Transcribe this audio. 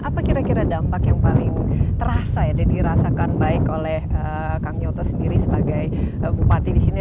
apa kira kira dampak yang paling terasa ya dan dirasakan baik oleh kang nyoto sendiri sebagai bupati di sini